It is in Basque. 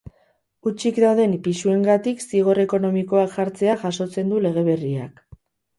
Hutsik dauden pisuengatik zigor ekonomikoak jartzea jasotzen du lege berriak.